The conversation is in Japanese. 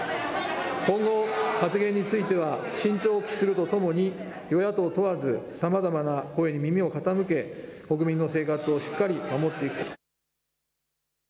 今後、発言については慎重を期するとともに与野党問わずさまざまな声に耳を傾け国民の生活をしっかり守っていく。